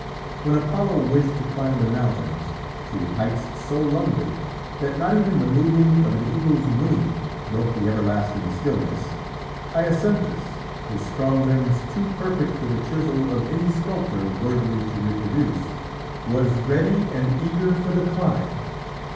When Apollo wished to climb the mountains, to heights so lonely that not even the moving of an eagle's wing broke the everlasting stillness, Hyacinthus his strong limbs too perfect for the chisel of any sculptor worthily to reproduce was ready and eager for the climb.